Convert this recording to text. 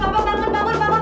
bangun bangun bangun